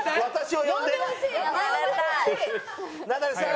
「ナダルさん！」